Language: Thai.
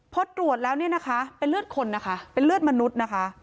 เพราะตรวจแล้วเป็นเลือดคนใช่ไหมเลือดมนุษย์